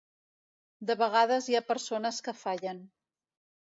De vegades hi ha persones que fallen.